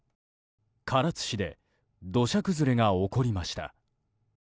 唐津市で土砂崩れが起こりました。